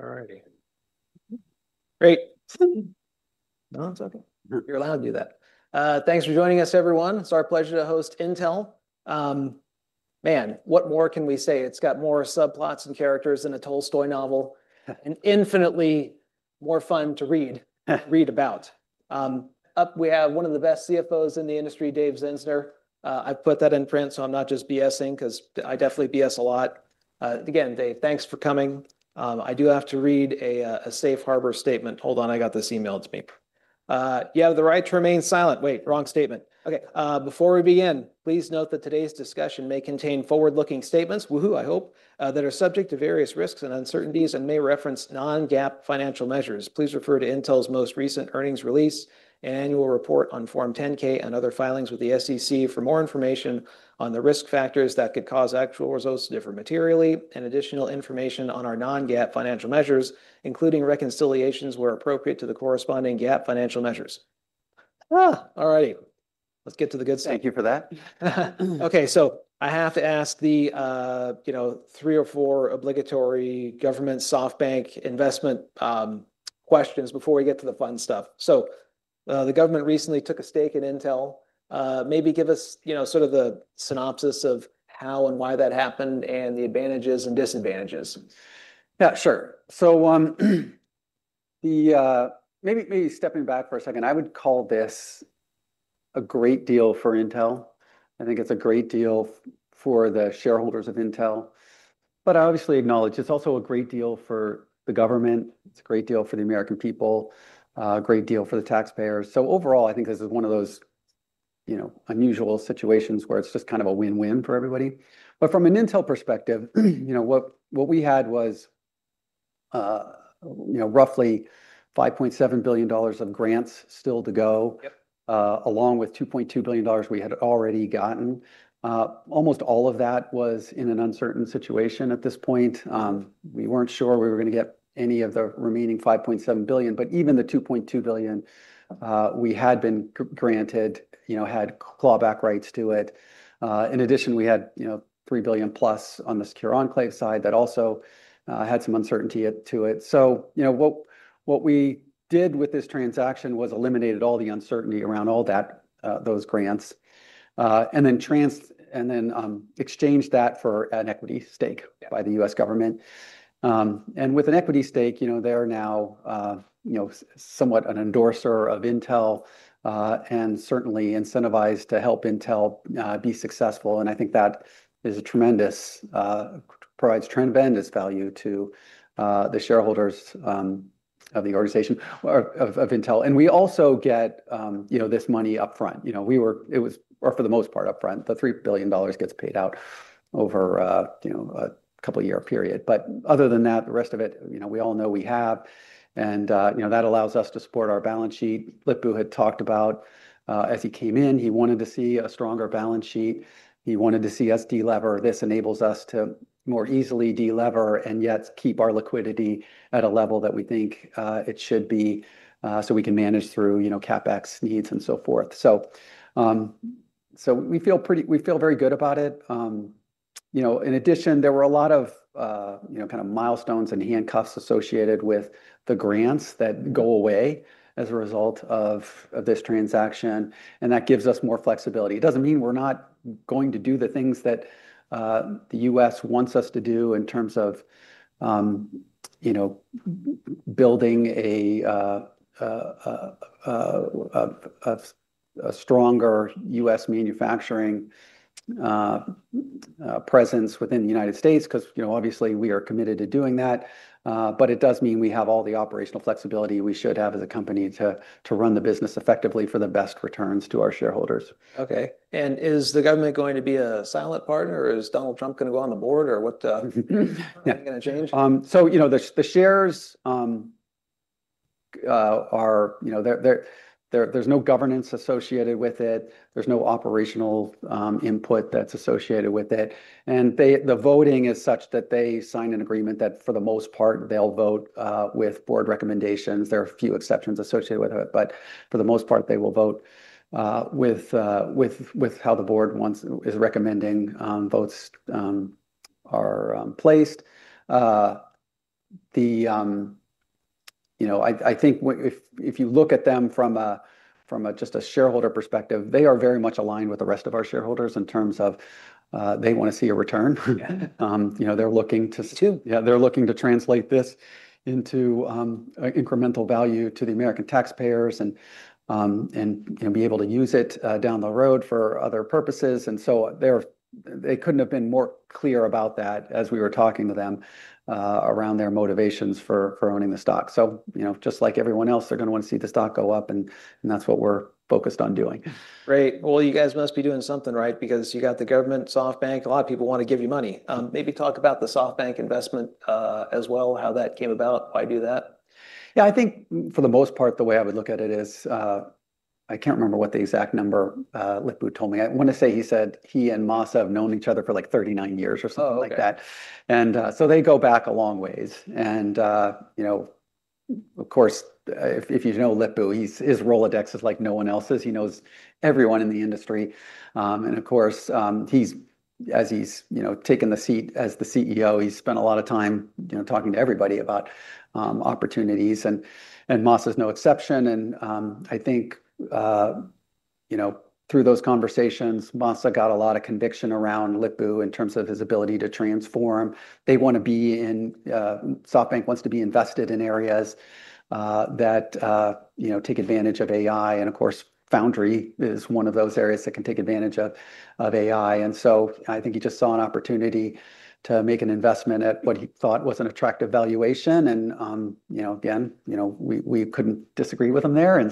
Alrighty. Great. No, I'm talking. You're allowed to do that. Thanks for joining us, everyone. It's our pleasure to host Intel. Man, what more can we say? It's got more subplots and characters than a Tolstoy novel, and infinitely more fun to read, read about. We have one of the best CFOs in the industry, Dave Zinsner. I put that in print, so I'm not just BS-ing because I definitely BS a lot. Again, Dave, thanks for coming. I do have to read a safe harbor statement. Hold on, I got this emailed to me. You have the right to remain silent. Wait, wrong statement. Okay. Before we begin, please note that today's discussion may contain forward-looking statements, woohoo, I hope, that are subject to various risks and uncertainties and may reference non-GAAP financial measures. Please refer to Intel's most recent earnings release, an annual report on Form 10-K, and other filings with the SEC for more information on the risk factors that could cause actual results to differ materially, and additional information on our non-GAAP financial measures, including reconciliations where appropriate to the corresponding GAAP financial measures. Alrighty. Let's get to the good stuff. Thank you for that. Okay, so I have to ask the, you know, three or four obligatory government SoftBank investment questions before we get to the fun stuff. The government recently took a stake in Intel. Maybe give us, you know, sort of the synopsis of how and why that happened and the advantages and disadvantages. Yeah, sure. Maybe stepping back for a second, I would call this a great deal for Intel. I think it's a great deal for the shareholders of Intel. I obviously acknowledge it's also a great deal for the government. It's a great deal for the American people, a great deal for the taxpayers. Overall, I think this is one of those, you know, unusual situations where it's just kind of a win-win for everybody. From an Intel perspective, you know, what we had was, you know, roughly $5.7 billion of grants still to go, along with $2.2 billion we had already gotten. Almost all of that was in an uncertain situation at this point. We weren't sure we were going to get any of the remaining $5.7 billion, but even the $2.2 billion we had been granted, you know, had clawback rights to it. In addition, we had, you know, $3 billion+ on the secure enclave side that also had some uncertainty to it. What we did with this transaction was eliminated all the uncertainty around all those grants and then exchanged that for an equity stake by the U.S. government. With an equity stake, you know, they're now, you know, somewhat an endorser of Intel and certainly incentivized to help Intel be successful. I think that provides tremendous value to the shareholders of the organization or of Intel. We also get, you know, this money upfront. We were, or for the most part, upfront. The $3 billion gets paid out over, you know, a couple-year period. Other than that, the rest of it, you know, we all know we have. That allows us to support our balance sheet. Lip-Bu had talked about, as he came in, he wanted to see a stronger balance sheet. He wanted to see us de-lever. This enables us to more easily de-lever and yet keep our liquidity at a level that we think it should be so we can manage through, you know, CapEx needs and so forth. We feel very good about it. In addition, there were a lot of, you know, kind of milestones and handcuffs associated with the grants that go away as a result of this transaction. That gives us more flexibility. It doesn't mean we're not going to do the things that the U.S. wants us to do in terms of, you know, building a stronger U.S. manufacturing presence within the United States, because, you know, obviously we are committed to doing that. It does mean we have all the operational flexibility we should have as a company to run the business effectively for the best returns to our shareholders. Okay. Is the government going to be a silent partner or is Donald Trump going to go on the board or what's the thing going to change? The shares are, you know, there's no governance associated with it. There's no operational input that's associated with it. The voting is such that they sign an agreement that for the most part, they'll vote with board recommendations. There are a few exceptions associated with it, but for the most part, they will vote with how the board is recommending votes are placed. I think if you look at them from just a shareholder perspective, they are very much aligned with the rest of our shareholders in terms of they want to see a return. They're looking to translate this into incremental value to the American taxpayers and be able to use it down the road for other purposes. They couldn't have been more clear about that as we were talking to them around their motivations for owning the stock. Just like everyone else, they're going to want to see the stock go up, and that's what we're focused on doing. Great. You guys must be doing something right, because you got the U.S. government, SoftBank. A lot of people want to give you money. Maybe talk about the SoftBank investment as well, how that came about, why do that? Yeah, I think for the most part, the way I would look at it is, I can't remember what the exact number Lip-Bu told me. I want to say he said he and Masa have known each other for like 39 years or something like that. They go back a long ways. If you know Lip-Bu, his Rolodex is like no one else's. He knows everyone in the industry. As he's taken the seat as the CEO, he's spent a lot of time talking to everybody about opportunities. Masa is no exception. I think through those conversations, Masa got a lot of conviction around Lip-Bu in terms of his ability to transform. They want to be in, SoftBank wants to be invested in areas that take advantage of AI. Foundry is one of those areas that can take advantage of AI. I think he just saw an opportunity to make an investment at what he thought was an attractive valuation. We couldn't disagree with him there.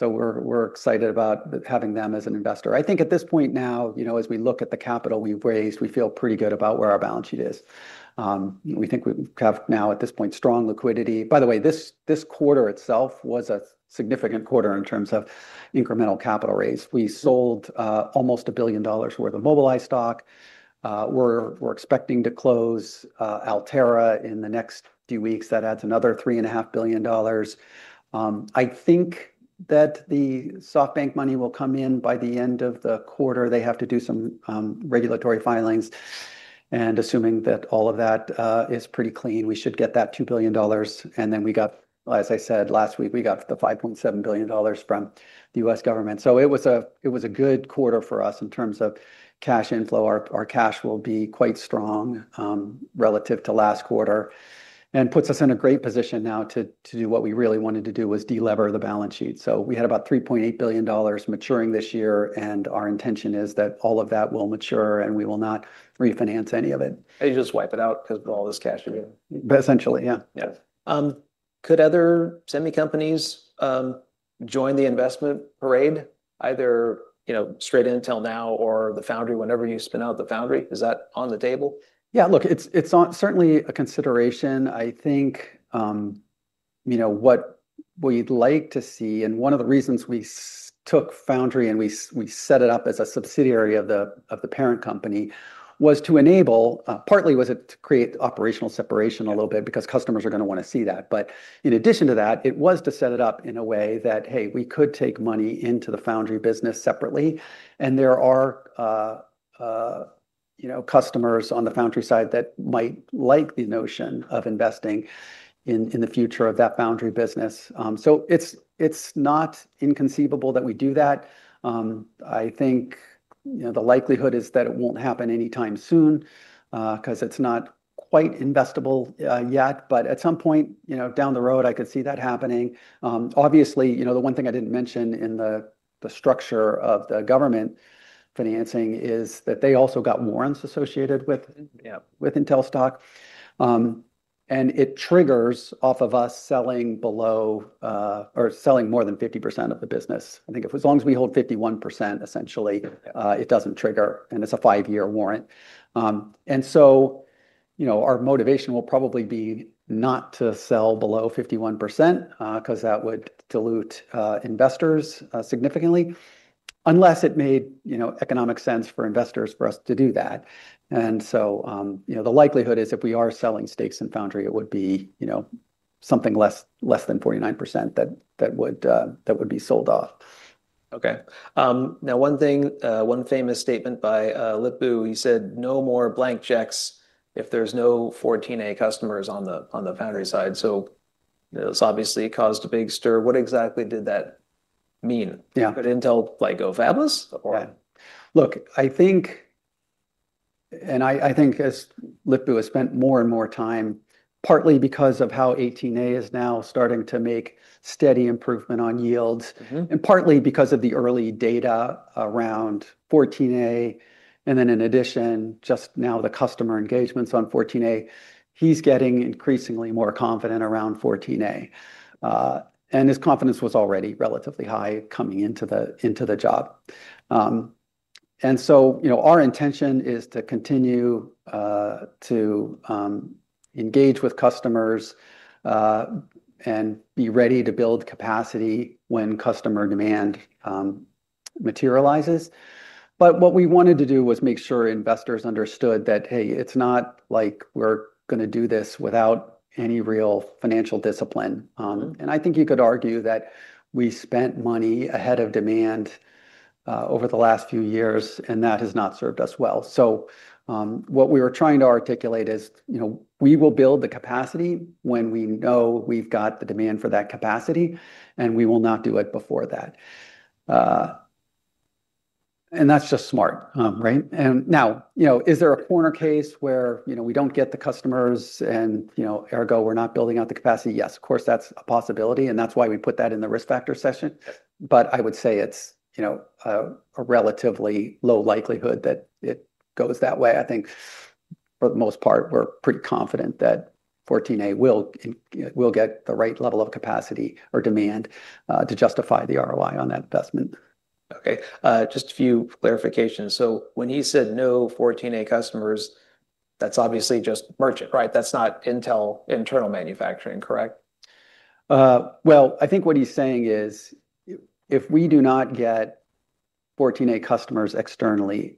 We're excited about having them as an investor. At this point now, as we look at the capital we raised, we feel pretty good about where our balance sheet is. We think we have now at this point strong liquidity. By the way, this quarter itself was a significant quarter in terms of incremental capital raise. We sold almost $1 billion worth of Mobileye stock. We're expecting to close Altera in the next few weeks. That adds another $3.5 billion. I think that the SoftBank money will come in by the end of the quarter. They have to do some regulatory filings. Assuming that all of that is pretty clean, we should get that $2 billion. As I said last week, we got the $5.7 billion from the U.S. government. It was a good quarter for us in terms of cash inflow. Our cash will be quite strong relative to last quarter and puts us in a great position now to do what we really wanted to do, which was de-lever the balance sheet. We had about $3.8 billion maturing this year, and our intention is that all of that will mature and we will not refinance any of it. You just wipe it out because of all this cash you've made. Essentially, yeah. Yes. Could other semiconductor companies join the investment parade, either, you know, straight into Intel now or the Foundry whenever you spin out the Foundry? Is that on the table? Yeah, look, it's certainly a consideration. I think what we'd like to see, and one of the reasons we took Foundry and we set it up as a subsidiary of the parent company, was to enable, partly was it to create operational separation a little bit because customers are going to want to see that. In addition to that, it was to set it up in a way that, hey, we could take money into the Foundry business separately. There are customers on the Foundry side that might like the notion of investing in the future of that Foundry business. It's not inconceivable that we do that. I think the likelihood is that it won't happen anytime soon because it's not quite investable yet. At some point down the road, I could see that happening. Obviously, the one thing I didn't mention in the structure of the government financing is that they also got warrants associated with Intel stock. It triggers off of us selling below or selling more than 50% of the business. I think as long as we hold 51%, essentially, it doesn't trigger. It's a five-year warrant. Our motivation will probably be not to sell below 51% because that would dilute investors significantly unless it made economic sense for investors for us to do that. The likelihood is if we are selling stakes in Foundry, it would be something less than 49% that would be sold off. Okay. Now, one thing, one famous statement by Lip-Bu, he said no more blank checks if there's no 14A customers on the foundry side. It's obviously caused a big stir. What exactly did that mean? Yeah, could Intel play [GoFabless]? Look, I think, and I think as Lip-Bu has spent more and more time, partly because of how 18A is now starting to make steady improvement on yields and partly because of the early data around 14A. In addition, just now the customer engagements on 14A, he's getting increasingly more confident around 14A. His confidence was already relatively high coming into the job. Our intention is to continue to engage with customers and be ready to build capacity when customer demand materializes. What we wanted to do was make sure investors understood that, hey, it's not like we're going to do this without any real financial discipline. I think you could argue that we spent money ahead of demand over the last few years, and that has not served us well. What we were trying to articulate is, you know, we will build the capacity when we know we've got the demand for that capacity, and we will not do it before that. That's just smart, right? Now, is there a corner case where, you know, we don't get the customers and, you know, ergo, we're not building out the capacity? Yes, of course, that's a possibility. That's why we put that in the risk factor section. I would say it's a relatively low likelihood that it goes that way. I think for the most part, we're pretty confident that 14A will get the right level of capacity or demand to justify the ROI on that investment. Okay, just a few clarifications. When he said no 14A customers, that's obviously just merchant, right? That's not Intel internal manufacturing, correct? I think what he's saying is if we do not get 14A customers externally,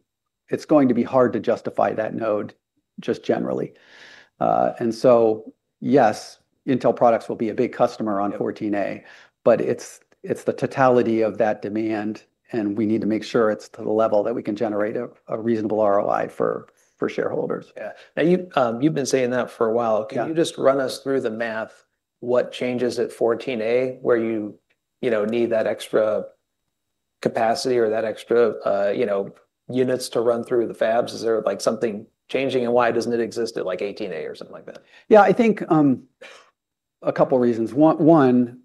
it's going to be hard to justify that node just generally. Yes, Intel products will be a big customer on 14A, but it's the totality of that demand, and we need to make sure it's to the level that we can generate a reasonable ROI for shareholders. Yeah, and you've been saying that for a while. Can you just run us through the math? What changes at 14A where you need that extra capacity or that extra units to run through the fabs? Is there something changing? Why doesn't it exist at 18A or something like that? Yeah, I think a couple reasons. One,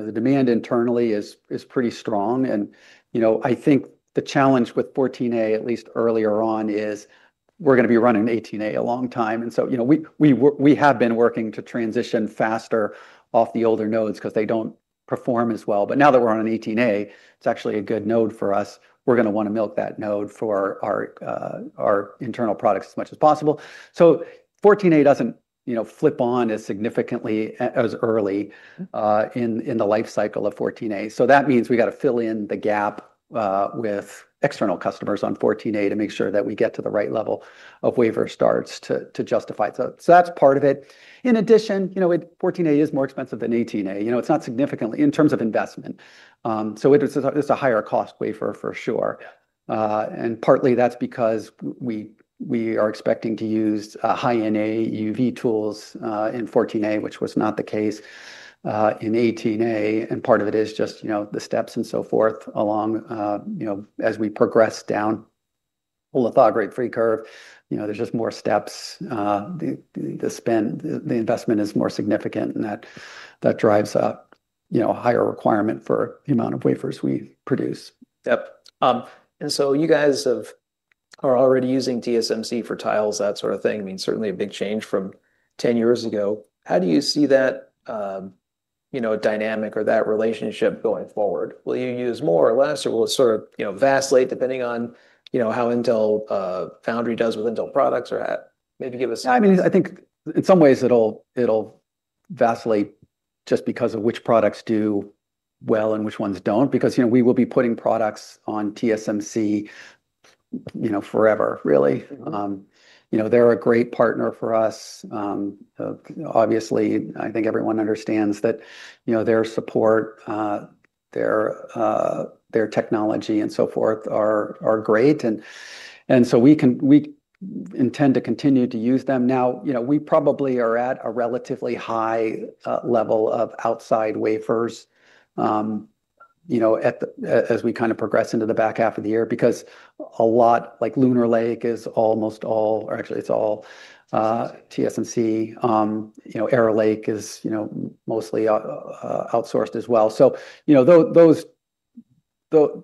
the demand internally is pretty strong. You know, I think the challenge with 14A, at least earlier on, is we're going to be running 18A a long time. We have been working to transition faster off the older nodes because they don't perform as well. Now that we're on an 18A, it's actually a good node for us. We're going to want to milk that node for our internal products as much as possible. 14A doesn't, you know, flip on as significantly as early in the life cycle of 14A. That means we got to fill in the gap with external customers on 14A to make sure that we get to the right level of wafer starts to justify it. That's part of it. In addition, 14A is more expensive than 18A. It's not significantly in terms of investment. It's a higher cost wafer for sure. Partly that's because we are expecting to use High-NA EUV tools in 14A, which was not the case in 18A. Part of it is just the steps and so forth along, you know, as we progress down the lithography curve, there's just more steps. The spend, the investment is more significant and that drives up a higher requirement for the amount of wafers we produce. Yep. You guys are already using TSMC for tiles, that sort of thing. Certainly a big change from 10 years ago. How do you see that dynamic or that relationship going forward? Will you use more or less or will it sort of vacillate depending on how Intel Foundry does with Intel products or maybe give us? Yeah, I mean, I think in some ways it'll vacillate just because of which products do well and which ones don't because, you know, we will be putting products on TSMC, you know, forever, really. They're a great partner for us. Obviously, I think everyone understands that their support, their technology and so forth are great, and so we intend to continue to use them. Now, we probably are at a relatively high level of outside wafers as we kind of progress into the back half of the year because a lot like Lunar Lake is almost all, or actually it's all TSMC. Arrow Lake is mostly outsourced as well. Those,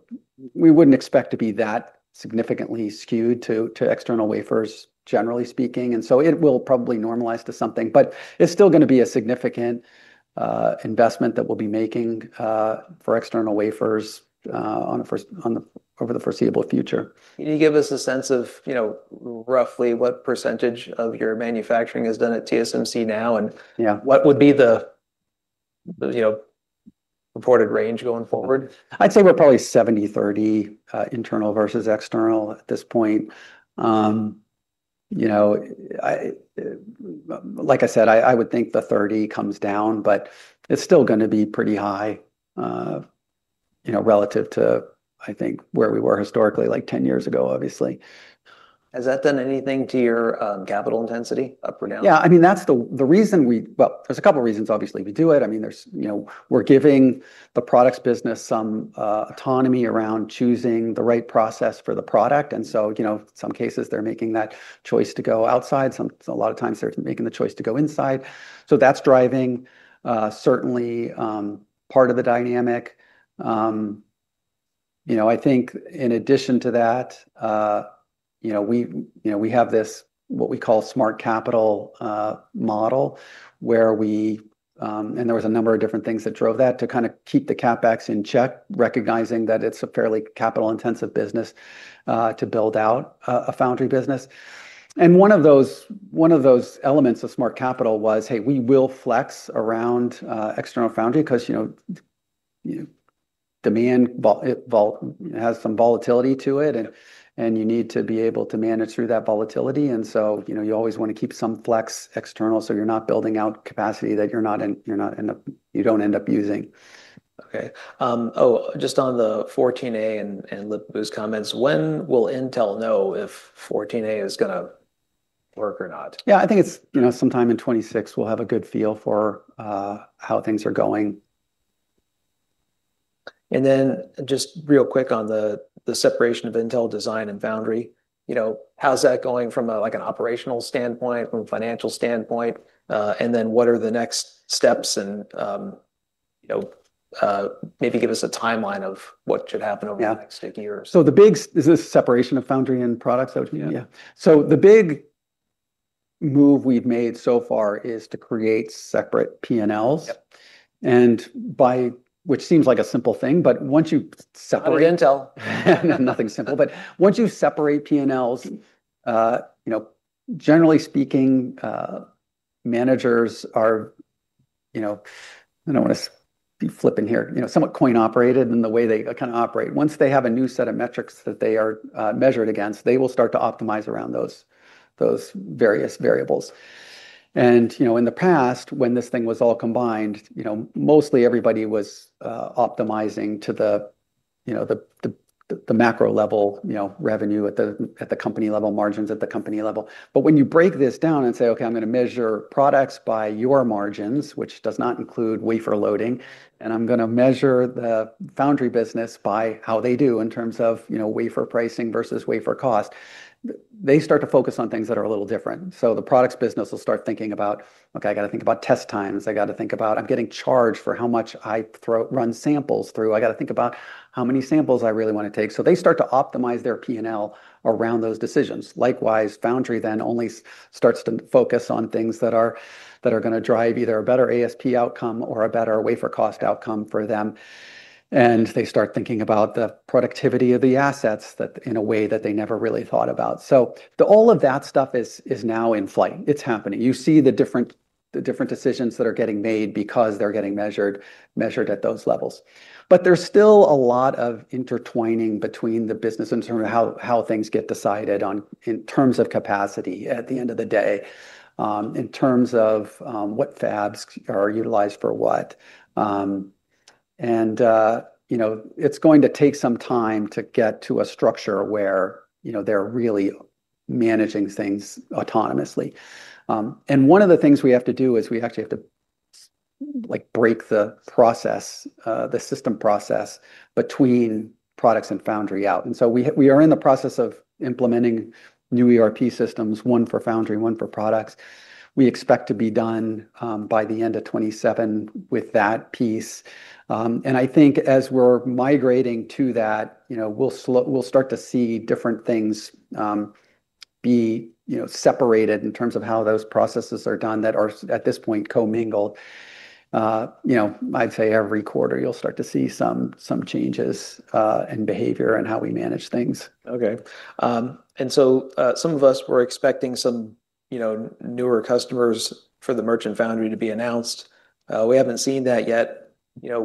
we wouldn't expect to be that significantly skewed to external wafers, generally speaking, and so it will probably normalize to something, but it's still going to be a significant investment that we'll be making for external wafers over the foreseeable future. Can you give us a sense of, you know, roughly what percentage of your manufacturing is done at TSMC now, and what would be the, you know, reported range going forward? I'd say we're probably 70/30 internal versus external at this point. Like I said, I would think the 30% comes down, but it's still going to be pretty high, you know, relative to, I think, where we were historically, like 10 years ago, obviously. Has that done anything to your capital intensity up or down? Yeah, I mean, that's the reason we, there's a couple of reasons, obviously, to do it. I mean, we're giving the products business some autonomy around choosing the right process for the product. In some cases, they're making that choice to go outside. A lot of times, they're making the choice to go inside. That's driving certainly part of the dynamic. I think in addition to that, we have this, what we call smart capital model where we, and there was a number of different things that drove that to kind of keep the CapEx in check, recognizing that it's a fairly capital-intensive business to build out a foundry business. One of those elements of smart capital was, hey, we will flex around external foundry because, you know, demand has some volatility to it and you need to be able to manage through that volatility. You always want to keep some flex external so you're not building out capacity that you don't end up using. Okay. Oh, just on the 14A and Lip-Bu's comments, when will Intel know if 14A is going to work or not? Yeah, I think it's, you know, sometime in 2026, we'll have a good feel for how things are going. Just real quick on the separation of Intel design and foundry, how's that going from an operational standpoint, from a financial standpoint, and what are the next steps? Maybe give us a timeline of what should happen over the next few years. The big move we've made so far is to create separate P&Ls, which seems like a simple thing, but once you separate. That was Intel. Nothing simple, but once you separate P&Ls, generally speaking, managers are, I don't want to be flipping here, somewhat coin operated in the way they kind of operate. Once they have a new set of metrics that they are measured against, they will start to optimize around those various variables. In the past, when this thing was all combined, mostly everybody was optimizing to the macro level, revenue at the company level, margins at the company level. When you break this down and say, okay, I'm going to measure products by your margins, which does not include wafer loading, and I'm going to measure the foundry business by how they do in terms of wafer pricing versus wafer cost, they start to focus on things that are a little different. The products business will start thinking about, okay, I got to think about test times. I got to think about I'm getting charged for how much I run samples through. I got to think about how many samples I really want to take. They start to optimize their P&L around those decisions. Likewise, foundry then only starts to focus on things that are going to drive either a better ASP outcome or a better wafer cost outcome for them. They start thinking about the productivity of the assets in a way that they never really thought about. All of that stuff is now in flight. It's happening. You see the different decisions that are getting made because they're getting measured at those levels. There's still a lot of intertwining between the business in terms of how things get decided in terms of capacity at the end of the day, in terms of what fabs are utilized for what. It's going to take some time to get to a structure where they're really managing things autonomously. One of the things we have to do is we actually have to break the process, the system process between products and foundry out. We are in the process of implementing new ERP systems, one for foundry, one for products. We expect to be done by the end of 2027 with that piece. I think as we're migrating to that, we'll start to see different things be separated in terms of how those processes are done that are at this point commingled. I'd say every quarter you'll start to see some changes in behavior and how we manage things. Okay. Some of us were expecting some newer customers for the merchant foundry to be announced. We haven't seen that yet.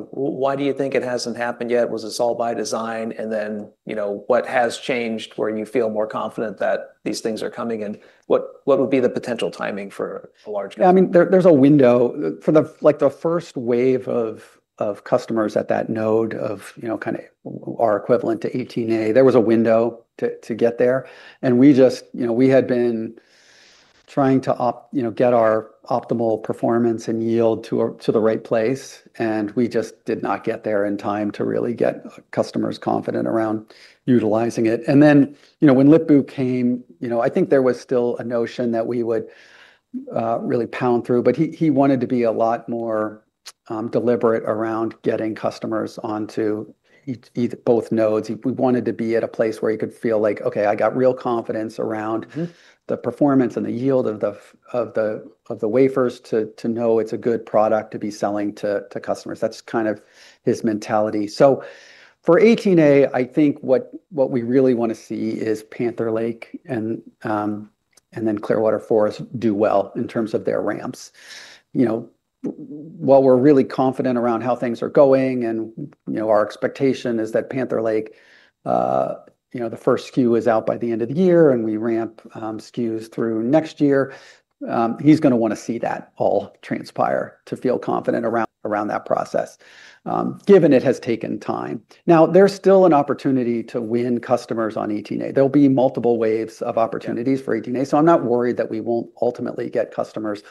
Why do you think it hasn't happened yet? Was this all by design? What has changed where you feel more confident that these things are coming? What would be the potential timing for a large customer? I mean, there's a window for the, like the first wave of customers at that node of, you know, kind of our equivalent to 18A. There was a window to get there. We had been trying to get our optimal performance and yield to the right place. We just did not get there in time to really get customers confident around utilizing it. When Lip-Bu came, I think there was still a notion that we would really pound through, but he wanted to be a lot more deliberate around getting customers onto both nodes. We wanted to be at a place where he could feel like, okay, I got real confidence around the performance and the yield of the wafers to know it's a good product to be selling to customers. That's kind of his mentality. For 18A, I think what we really want to see is Panther Lake and then Clearwater Forest do well in terms of their ramps. While we're really confident around how things are going and our expectation is that Panther Lake, the first SKU is out by the end of the year and we ramp SKUs through next year, he's going to want to see that all transpire to feel confident around that process, given it has taken time. There is still an opportunity to win customers on 18A. There will be multiple waves of opportunities for 18A. I'm not worried that we won't ultimately get customers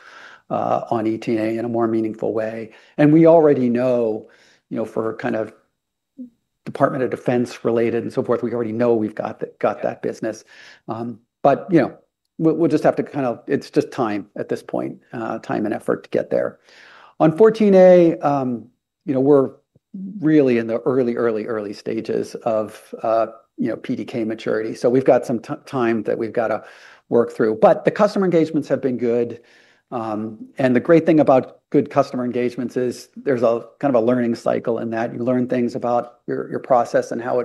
on 18A in a more meaningful way. We already know, for kind of Department of Defense related and so forth, we already know we've got that business. We'll just have to kind of, it's just time at this point, time and effort to get there. On 14A, we're really in the early, early, early stages of PDK maturity. We've got some time that we've got to work through. The customer engagements have been good. The great thing about good customer engagements is there's a kind of a learning cycle in that you learn things about your process and how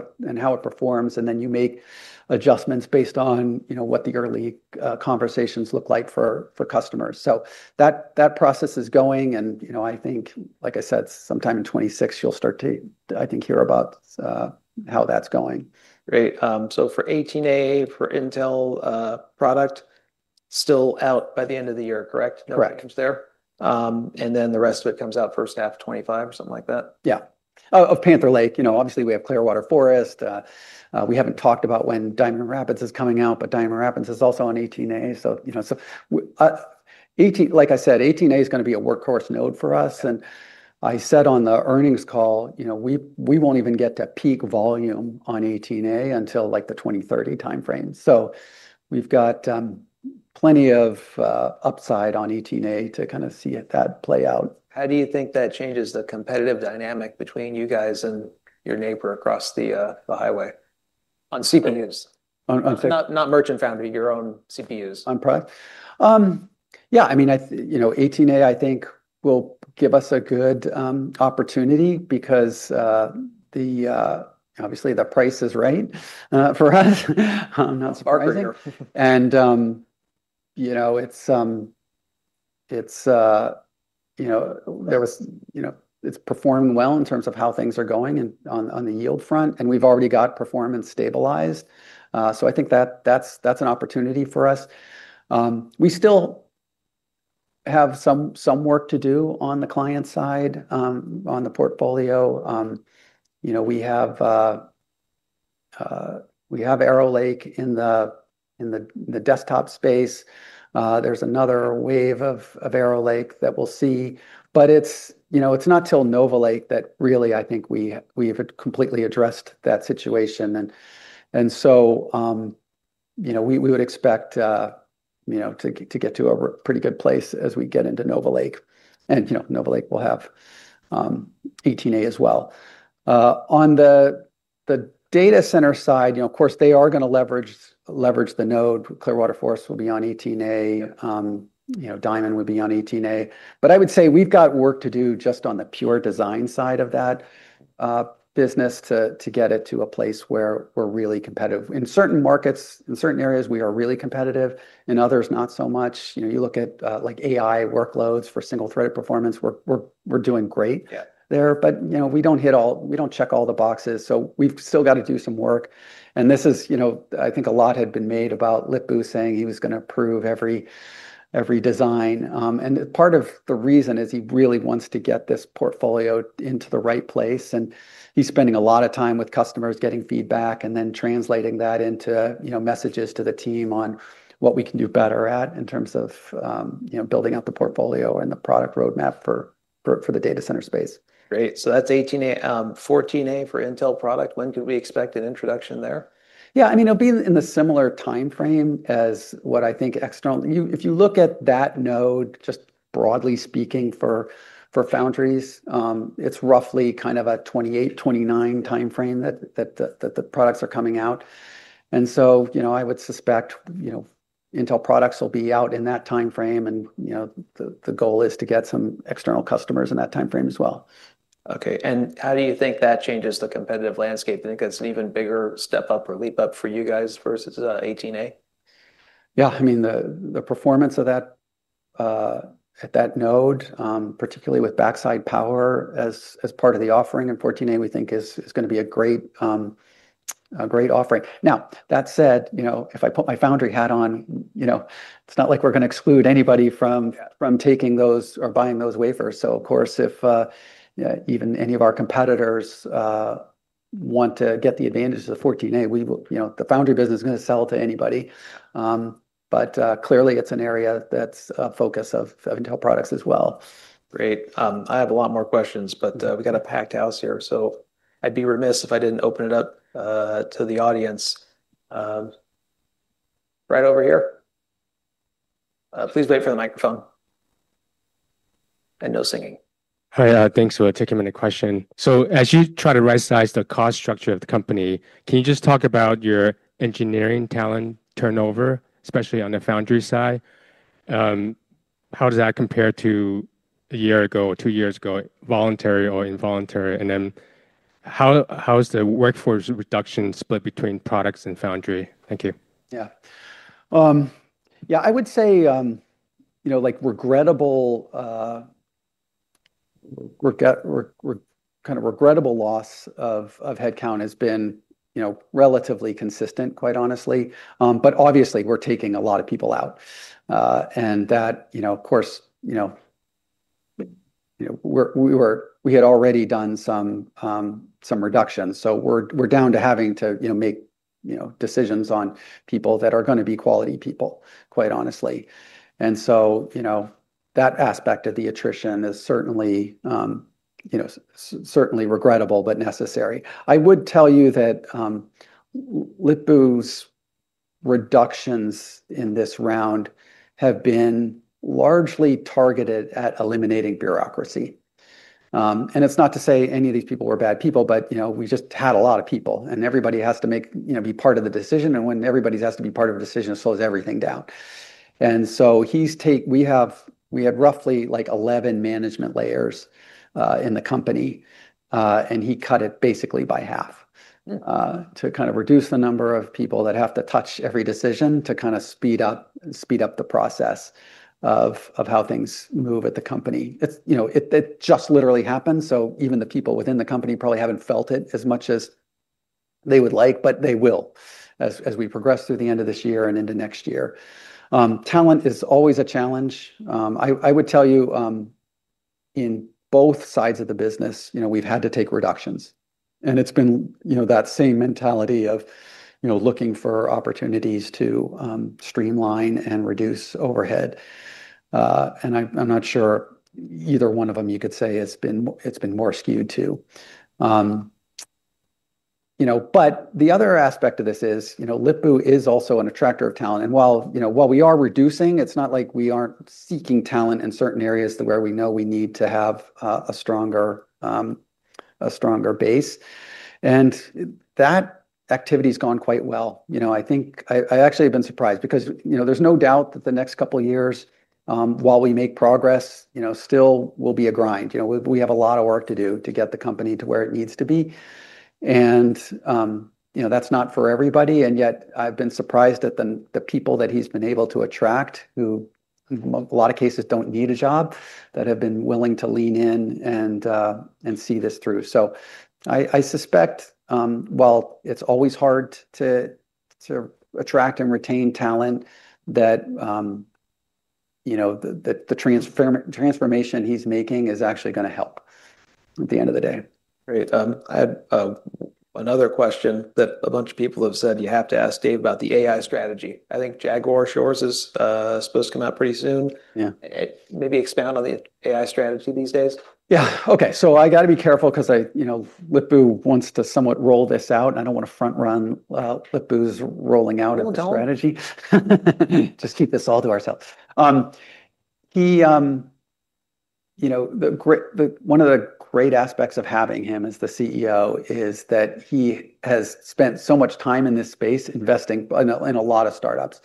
it performs. You make adjustments based on what the early conversations look like for customers. That process is going. I think, like I said, sometime in 2026, you'll start to, I think, hear about how that's going. Great. For 18A, for Intel product, still out by the end of the year, correct? Correct. The rest of it comes out first half, 2025 or something like that? Yeah. Of Panther Lake, you know, obviously we have Clearwater Forest. We haven't talked about when Diamond Rapids is coming out, but Diamond Rapids is also on 18A. You know, like I said, 18A is going to be a workhorse node for us. I said on the earnings call, you know, we won't even get to peak volume on 18A until like the 2030 timeframe. We have plenty of upside on 18A to kind of see if that plays out. How do you think that changes the competitive dynamic between you guys and your neighbor across the highway on CPUs? Not merchant foundry, your own CPUs. On product? Yeah, I mean, you know, 18A I think will give us a good opportunity because obviously the price is right for us. I'm not sparkling. You know, it's performing well in terms of how things are going on the yield front, and we've already got performance stabilized. I think that's an opportunity for us. We still have some work to do on the client side, on the portfolio. We have Arrow Lake in the desktop space. There's another wave of Arrow Lake that we'll see, but it's not till Nova Lake that really I think we've completely addressed that situation. We would expect to get to a pretty good place as we get into Nova Lake, and Nova Lake will have 18A as well. On the data center side, of course, they are going to leverage the node. Clearwater Forest will be on 18A. Diamond would be on 18A. I would say we've got work to do just on the pure design side of that business to get it to a place where we're really competitive. In certain markets, in certain areas, we are really competitive. In others, not so much. You look at AI workloads for single-threaded performance. We're doing great there, but we don't hit all, we don't check all the boxes. We've still got to do some work. A lot had been made about Lip-Bu saying he was going to approve every design, and part of the reason is he really wants to get this portfolio into the right place. He's spending a lot of time with customers getting feedback and then translating that into messages to the team on what we can do better at in terms of building up the portfolio and the product roadmap for the data center space. Great. That's 18A, 14A for Intel product. When can we expect an introduction there? Yeah, I mean, it'll be in a similar timeframe as what I think external. If you look at that node, just broadly speaking for foundries, it's roughly kind of a 2028, 2029 timeframe that the products are coming out. I would suspect, you know, Intel products will be out in that timeframe. The goal is to get some external customers in that timeframe as well. Okay. How do you think that changes the competitive landscape? I think it's an even bigger step up or leap up for you guys versus 18A. Yeah, I mean, the performance of that node, particularly with backside power as part of the offering in 14A, we think is going to be a great offering. That said, you know, if I put my foundry hat on, you know, it's not like we're going to exclude anybody from taking those or buying those wafers. Of course, if even any of our competitors want to get the advantage of the 14A, you know, the foundry business is going to sell to anybody. Clearly, it's an area that's a focus of Intel products as well. Great. I have a lot more questions, but we got a packed house here. I'd be remiss if I didn't open it up to the audience. Right over here. Please wait for the microphone, and no singing. I think so. I'll take a minute question. As you try to right-size the cost structure of the company, can you just talk about your engineering talent turnover, especially on the foundry side? How does that compare to a year ago or two years ago, voluntary or involuntary? How is the workforce reduction split between products and foundry? Thank you. Yeah. Yeah, I would say, you know, like regrettable, kind of regrettable loss of headcount has been, you know, relatively consistent, quite honestly. Obviously, we're taking a lot of people out. That, you know, of course, you know, we had already done some reductions. We're down to having to, you know, make, you know, decisions on people that are going to be quality people, quite honestly. That aspect of the attrition is certainly, you know, certainly regrettable but necessary. I would tell you that Lip-Bu's reductions in this round have been largely targeted at eliminating bureaucracy. It's not to say any of these people were bad people, but, you know, we just had a lot of people and everybody has to make, you know, be part of the decision. When everybody has to be part of the decision, it slows everything down. He's taken, we have, we had roughly like 11 management layers in the company. He cut it basically by half to kind of reduce the number of people that have to touch every decision to kind of speed up, speed up the process of how things move at the company. It just literally happened. Even the people within the company probably haven't felt it as much as they would like, but they will as we progress through the end of this year and into next year. Talent is always a challenge. I would tell you in both sides of the business, you know, we've had to take reductions. It's been, you know, that same mentality of, you know, looking for opportunities to streamline and reduce overhead. I'm not sure either one of them you could say has been, it's been more skewed to. The other aspect of this is, you know, Lip-Bu is also an attractor of talent. While, you know, while we are reducing, it's not like we aren't seeking talent in certain areas where we know we need to have a stronger, a stronger base. That activity has gone quite well. I think I actually have been surprised because, you know, there's no doubt that the next couple of years, while we make progress, you know, still will be a grind. We have a lot of work to do to get the company to where it needs to be. That's not for everybody. Yet I've been surprised at the people that he's been able to attract, who in a lot of cases don't need a job, that have been willing to lean in and see this through. I suspect, while it's always hard to attract and retain talent, that, you know, the transformation he's making is actually going to help at the end of the day. Great. I have another question that a bunch of people have said you have to ask Dave about the AI strategy. I think Jaguar Shores is supposed to come out pretty soon. Yeah, maybe expound on the AI strategy these days. Yeah, okay. I got to be careful because, you know, Lip-Bu wants to somewhat roll this out and I don't want to front run Lip-Bu's rolling out its strategy. Just keep this all to ourselves. One of the great aspects of having him as the CEO is that he has spent so much time in this space investing in a lot of startups.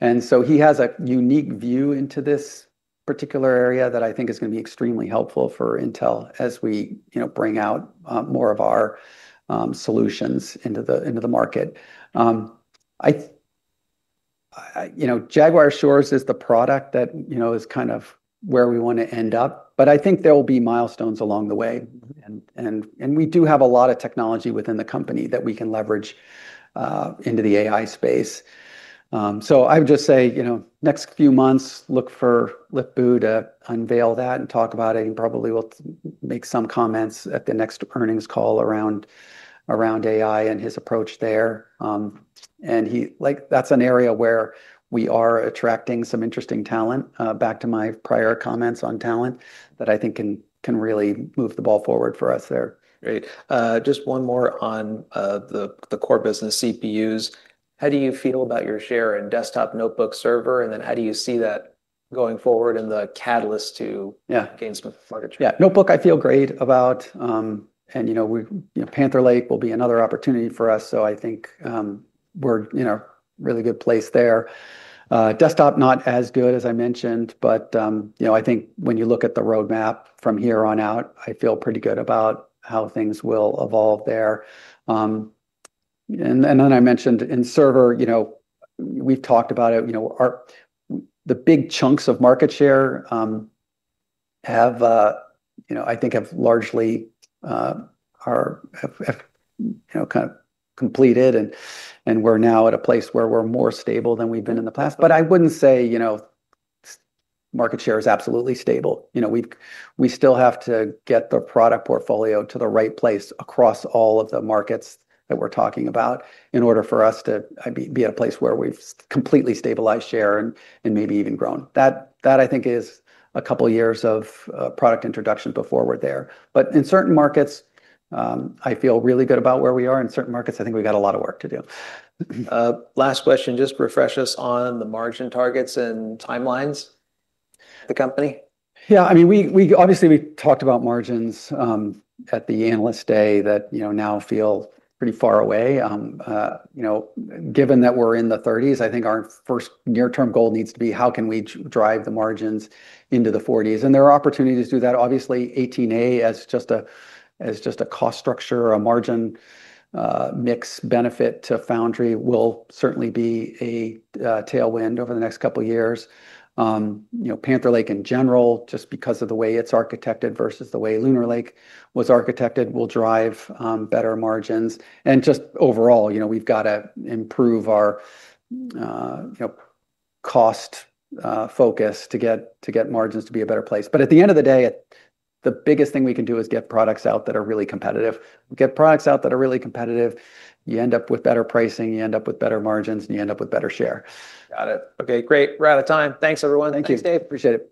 He has a unique view into this particular area that I think is going to be extremely helpful for Intel as we bring out more of our solutions into the market. Jaguar Shores is the product that is kind of where we want to end up, but I think there will be milestones along the way. We do have a lot of technology within the company that we can leverage into the AI space. I would just say, in the next few months, look for Lip-Bu to unveil that and talk about it. He probably will make some comments at the next earnings call around AI and his approach there. That's an area where we are attracting some interesting talent. Back to my prior comments on talent that I think can really move the ball forward for us there. Great. Just one more on the core business, CPUs. How do you feel about your share in desktop, notebook, server, and then how do you see that going forward in the catalyst to gain some market share? Yeah, notebook I feel great about. Panther Lake will be another opportunity for us. I think we're in a really good place there. Desktop not as good as I mentioned, but I think when you look at the roadmap from here on out, I feel pretty good about how things will evolve there. I mentioned in server, we've talked about it. The big chunks of market share have, I think, have largely kind of completed. We're now at a place where we're more stable than we've been in the past. I wouldn't say market share is absolutely stable. We still have to get the product portfolio to the right place across all of the markets that we're talking about in order for us to be at a place where we've completely stabilized share and maybe even grown. That, I think, is a couple of years of product introduction before we're there. In certain markets, I feel really good about where we are. In certain markets, I think we've got a lot of work to do. Last question, just refresh us on the margin targets and timelines at the company. Yeah, I mean, we obviously talked about margins at the analyst day that, you know, now feel pretty far away. Given that we're in the 30s, I think our first near-term goal needs to be how can we drive the margins into the 40s. There are opportunities to do that. Obviously, 18A as just a cost structure, a margin mix benefit to foundry will certainly be a tailwind over the next couple of years. Panther Lake in general, just because of the way it's architected versus the way Lunar Lake was architected, will drive better margins. Overall, we've got to improve our cost focus to get margins to be a better place. At the end of the day, the biggest thing we can do is get products out that are really competitive. Get products out that are really competitive. You end up with better pricing, you end up with better margins, and you end up with better share. Got it. Okay, great. We're out of time. Thanks, everyone. Thank you. Appreciate it.